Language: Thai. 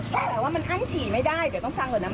แต่ว่ามันอั้นฉี่ไม่ได้เดี๋ยวต้องฟังก่อนนะ